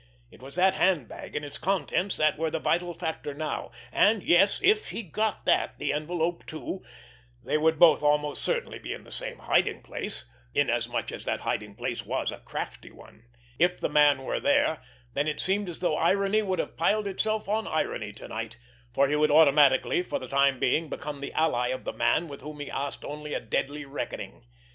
It was that handbag and its contents that were the vital factor now—and, yes, if he got that, the envelope too—they would both almost certainly be in the same hiding place—inasmuch as that hiding place was a crafty one. If the man were there, then it seemed as though irony would have piled itself on irony to night, for he would automatically for the time being become the ally of the man with whom he asked only a deadly reckoning!